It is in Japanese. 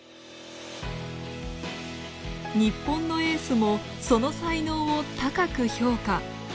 日本のエースもその才能を高く評価。